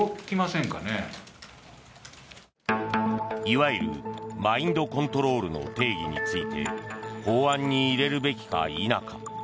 いわゆるマインドコントロールの定義について法案に入れるべきか否か。